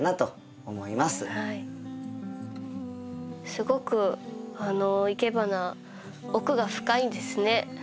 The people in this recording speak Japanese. すごくいけばな奥が深いんですね。